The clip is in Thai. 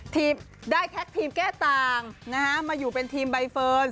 ทีมได้แทคทีมแก้ต่างนะฮะมาอยู่เป็นทีมใบเฟิร์นค่ะ